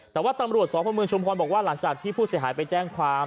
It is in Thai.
แต่ว่าตำรวจสพเมืองชุมพรบอกว่าหลังจากที่ผู้เสียหายไปแจ้งความ